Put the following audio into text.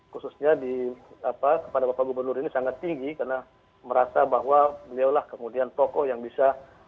khususnya kepada bapak gubernur ini sangat tinggi karena merasa bahwa beliau lah kemudian tokoh yang bisa